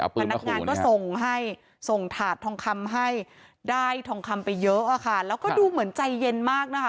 พนักงานก็ส่งให้ส่งถาดทองคำให้ได้ทองคำไปเยอะอะค่ะแล้วก็ดูเหมือนใจเย็นมากนะคะ